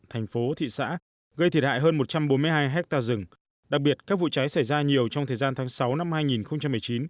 thành phố thị xã gây thiệt hại hơn một trăm bốn mươi hai hectare rừng đặc biệt các vụ cháy xảy ra nhiều trong thời gian tháng sáu năm hai nghìn một mươi chín